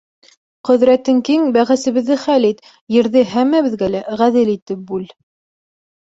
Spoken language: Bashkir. Ҡөҙрәтең киң, бәхәсебеҙҙе хәл ит, Ерҙе һәммәбеҙгә лә ғәҙел итеп бүл.